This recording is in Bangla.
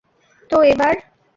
তো, এবার?